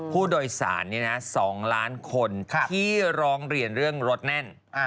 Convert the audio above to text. ผู้โดยสาร๒ล้านคนที่ร้องเรียนเรื่องรถแน่น